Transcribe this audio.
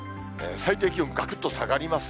最低気温、がくっと下がりますね。